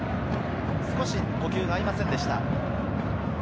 少し呼吸が合いませんでした。